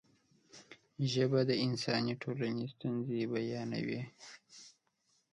ژبه د انساني ټولنې ستونزې بیانوي.